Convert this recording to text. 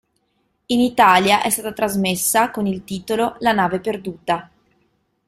In Italia è stata trasmessa con il titolo "La nave perduta".